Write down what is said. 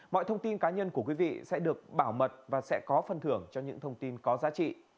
mọi thông tin cá nhân của quý vị sẽ được bảo mật và sẽ có phân thưởng cho những thông tin có giá trị